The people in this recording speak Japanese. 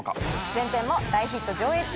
前編も大ヒット上映中。